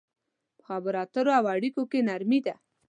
په خبرو اترو او اړيکو کې نرمي ده.